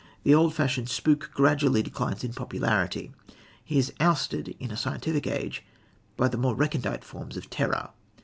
The old fashioned spook gradually declines in popularity. He is ousted in a scientific age by more recondite forms of terror.